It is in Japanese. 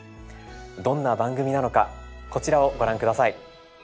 どんな番組なのかこちらをご覧下さい。